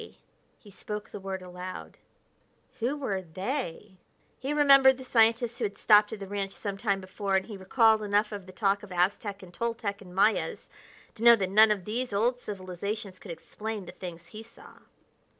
He spoke the word aloud. Who were "they?" He remembered the scientist who had stopped at the ranch some time before, and he recalled enough of the talk of Aztec and Toltec and Mayas to know that none of these old civilizations could explain the things he saw.